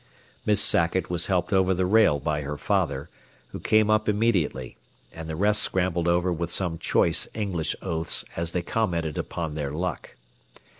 Miss Sackett was helped over the rail by her father, who came up immediately, and the rest scrambled over with some choice English oaths as they commented upon their luck.